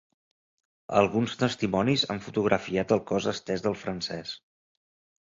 Alguns testimonis han fotografiat el cos estès del francès.